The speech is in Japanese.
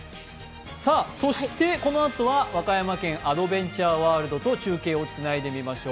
そして、このあとは和歌山県アドベンチャーワールドと中継をつないでみましょう。